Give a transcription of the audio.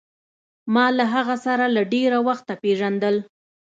ما له هغه سره له ډېره وخته پېژندل.